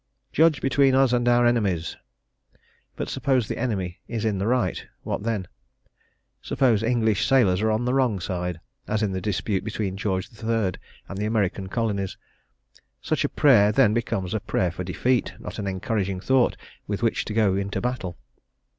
"Judge between us and our enemies." But suppose the enemy is in the right, what then? Suppose English sailors are on the wrong side, as in the dispute between George III. and the American Colonies, such a prayer then becomes a prayer for defeat, not an encouraging thought with which to go into battle.